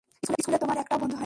স্কুলে তোমার একটাও বন্ধু হয় না।